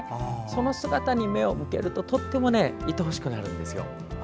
その姿に目を向けるととっても愛おしくなるんですよ。